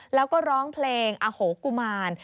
แล้วก็ร้องเพลงอโหกุมาร